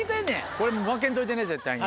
これ負けんといてね絶対に。